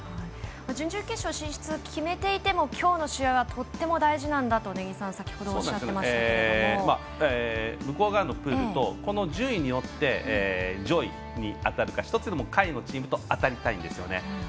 準々決勝進出を決めていても、きょうの試合はとても大事なんだと根木さんは先ほど向こう側のプールとこの順位によって上位に当たるか少しでも下位のチームとあたりたいんですよね。